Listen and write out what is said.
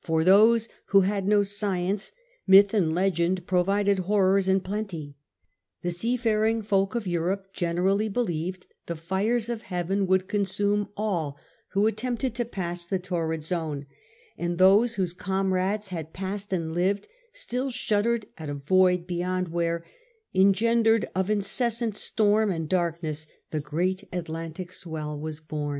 For those who had no science, myth and legend provided horrors in plenty. The seafaring folk of Europe generally believed the fires of Heaven would consume all who attempted to pass the torrid zone; and those whose comrades had passed and lived, still shuddered at a void beyond where, engendered of incessant storm and darkness, the great Atlantic swell was bom.